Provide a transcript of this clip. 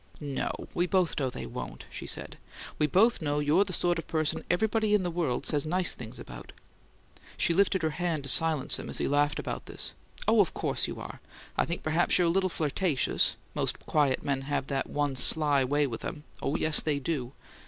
"No. We both know they won't," she said. "We both know you're the sort of person everybody in the world says nice things about." She lifted her hand to silence him as he laughed at this. "Oh, of course you are! I think perhaps you're a little flirtatious most quiet men have that one sly way with 'em oh, yes, they do!